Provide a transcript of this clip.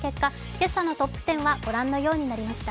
今朝のトップ１０はこのようになりました。